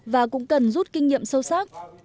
và cũng cần rút kinh nghiệm sâu sắc